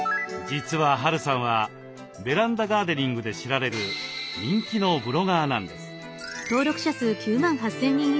実はＨ・Ａ・Ｒ・Ｕさんはベランダガーデニングで知られる人気のブロガーなんです。